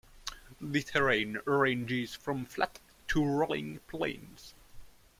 The terrain ranges from flat to rolling plains.